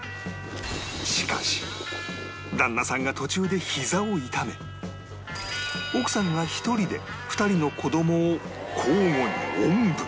しかし旦那さんが途中でひざを痛め奥さんが１人で２人の子どもを交互におんぶ